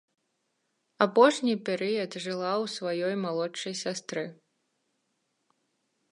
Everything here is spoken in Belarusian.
Апошні перыяд жыла ў сваёй малодшай сястры.